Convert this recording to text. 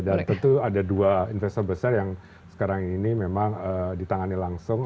dan tentu ada dua investor besar yang sekarang ini memang ditangani langsung